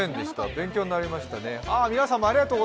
勉強になりましたね。